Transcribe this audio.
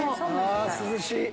あ涼しい。